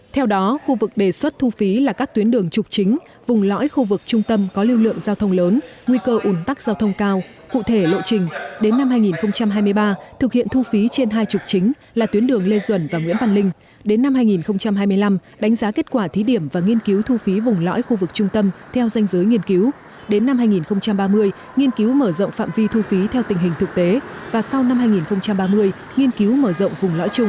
theo đó khu vực đề xuất thu phí là các tuyến đường trục chính vùng lõi khu vực trung tâm có lưu lượng giao thông lớn nguy cơ ủn tắc giao thông cao cụ thể lộ trình đến năm hai nghìn hai mươi ba thực hiện thu phí trên hai trục chính là tuyến đường lê duẩn và nguyễn văn linh đến năm hai nghìn hai mươi năm đánh giá kết quả thí điểm và nghiên cứu thu phí vùng lõi khu vực trung tâm theo danh giới nghiên cứu đến năm hai nghìn ba mươi nghiên cứu mở rộng phạm vi thu phí theo tình hình thực tế và sau năm hai nghìn ba mươi nghiên cứu mở rộng vùng lõi trung